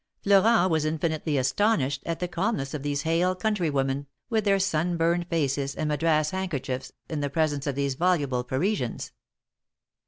Florent was infinitely astonished at the calmness of these hale countrywomen, with their sunburned faces and Madras handkerchiefs, in the presence of those voluble Parisians.